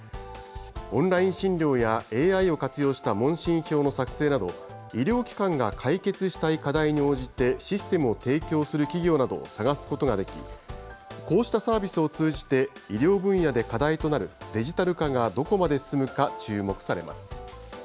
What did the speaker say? オンライン診療やＡＩを活用した問診票の作成など、医療機関が解決したい課題に応じてシステムを提供する企業などを探すことができ、こうしたサービスを通じて、医療分野で課題となるデジタル化がどこまで進むか注目されます。